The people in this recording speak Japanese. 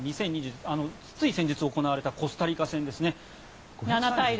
２０２２年、つい先日行われたコスタリカ戦ですね。